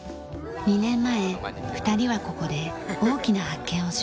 ２年前２人はここで大きな発見をしました。